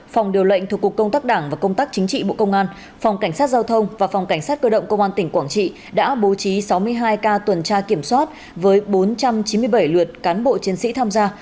phòng điều lệnh thuộc cục công tác đảng và công tác chính trị bộ công an phòng cảnh sát giao thông và phòng cảnh sát cơ động công an tỉnh quảng trị đã bố trí sáu mươi hai ca tuần tra kiểm soát với bốn trăm chín mươi bảy lượt cán bộ chiến sĩ tham gia